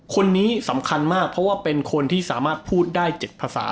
คนนี้สำคัญมากเพราะว่าเป็นคนที่สามารถพูดได้๗ภาษา